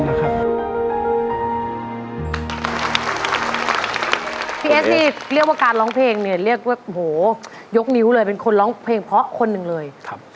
พี่เอดสีเรียกว่าการร้องเพลงยกนิ้วเลยเป็นคนร้องเพลงเพราะคนหนึ่งเลย